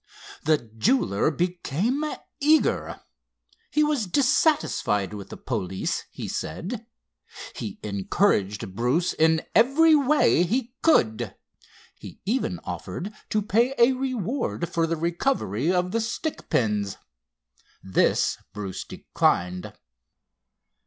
The jeweler became eager. He was dissatisfied with the police, he said. He encouraged Bruce in every way he could. He even offered to pay a reward for the recovery of the stick pins. This Bruce declined.